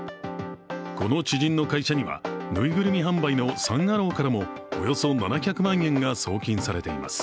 この知人の会社には縫いぐるみ販売のサン・アローからもおよそ７００万円が送金されています